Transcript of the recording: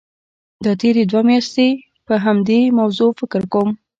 دا تېرې دوه میاشتې پر همدې موضوع فکر کوم.